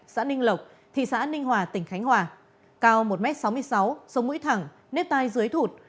xã ninh lộc thị xã ninh hòa tỉnh khánh hòa cao một m sáu mươi sáu sống mũi thẳng nếp tai dưới thụt